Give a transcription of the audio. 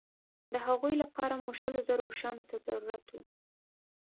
د هغوی لپاره مو شلو زرو اوښانو ته ضرورت وو.